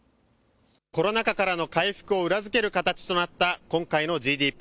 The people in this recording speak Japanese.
コロナ禍からの回復を裏付ける形となった今回のＧＤＰ。